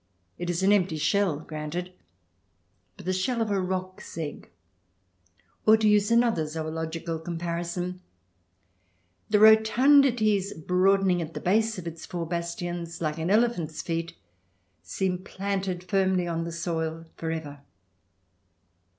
It is an empty shell — granted — but the shell of a roc's egg, or, to use another zoological comparison, the rotundities broadening at the base of its four bastions, like an elephant's feet, seem planted firmly on the soil for ever.